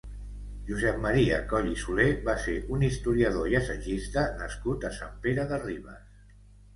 Josep Maria Coll i Soler va ser un historiador i assagista nascut a Sant Pere de Ribes.